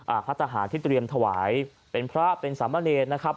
อ่าพัทธาหารทิ้งเตรียมถวายเป็นพระเป็นสามเลสนะครับ